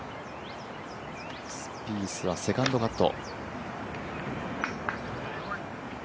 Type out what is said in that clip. スピースはセカンドカット。